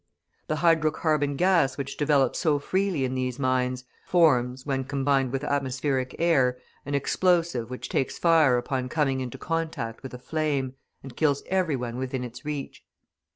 The hydrocarbon gas which develops so freely in these mines, forms, when combined with atmospheric air, an explosive which takes fire upon coming into contact with a flame, and kills every one within its reach.